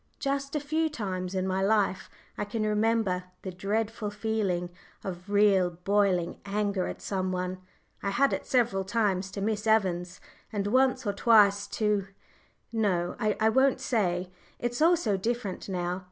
Just a few times in my life I can remember the dreadful feeling of real, boiling anger at some one I had it several times to Miss Evans, and once or twice to no, I won't say; it's all so different now.